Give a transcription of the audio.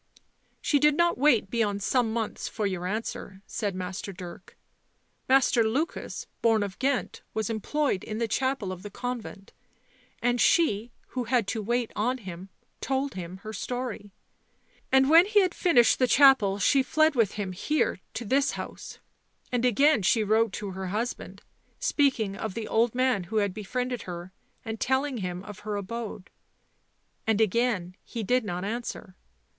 " She did not wait beyond some months for your answer," said Master Dirk. u Master Lukas, born of Ghent, was employed in the chapel of the convent, and she, who had to wait on him, told him her story. And when he had finished the chapel she fled with him here — to this house. And again she wrote to her husband, speaking of the old man who had befriended her and telling him of her abode. And again he did not answer.